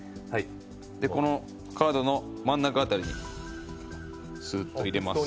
このカードの真ん中辺りにすっと入れます。